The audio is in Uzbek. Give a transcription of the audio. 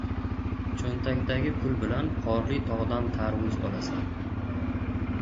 • Cho‘ntakda pul bilan qorli tog‘dan tarvuz olasan.